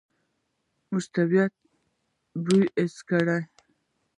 موږ د طبعیت بوی حس کړ.